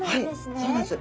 はいそうなんです。